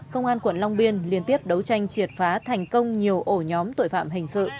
công an quận long biên liên tiếp đấu tranh triệt phá thành công nhiều ổ nhóm tội phạm hình sự